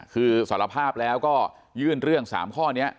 คือสารภาพแล้วก็ยื่นเรื่อง๓ข้อนี้